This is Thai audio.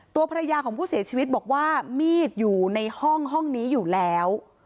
ตัวภรรยาของผู้เสียชีวิตบอกว่ามีดอยู่ในห้องห้องนี้อยู่แล้ว